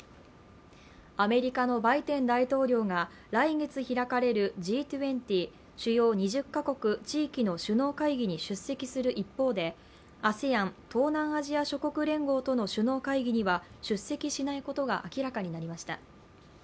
アメリカのバイデン大統領が来月開かれるＧ２０＝主要２０か国・地域の首脳会議に出席する一方でＡＳＥＡＮ＝東南アジア諸国連合との首脳会議には出席しないことが明らかになりました。